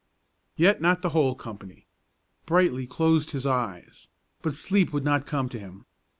Yet not the whole company. Brightly closed his eyes, but sleep would not come to him.